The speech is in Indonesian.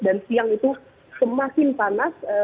dan siang itu semakin panas